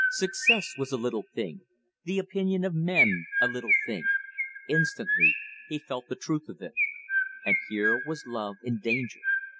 Success was a little thing; the opinion of men a little thing. Instantly he felt the truth of it. And here was Love in danger.